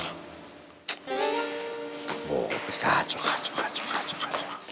kacau kacau kacau kacau